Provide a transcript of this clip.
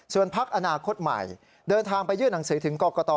ส่วนพักอนาคตใหม่เดินทางไปยื่นหนังสือถึงกรกต